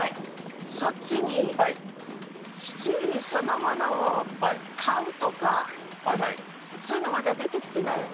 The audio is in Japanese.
そっちに七輪そのものを「買う」とかそういうのまだ出てきてないよね？